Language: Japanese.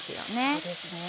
そうですね。